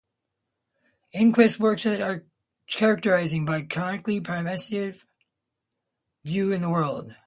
Enquist's works are characterized by a chronically pessimistic view of the world.